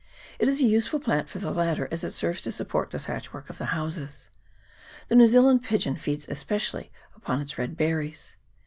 It is a useful plant for the latter, as it serves to support the thatch work of the houses. The New Zealand pigeon feeds especially upon its red berries.